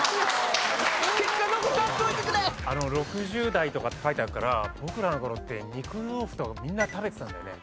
６０代とかって書いてあるから僕らの頃って肉豆腐とかみんな食べてたんだよね。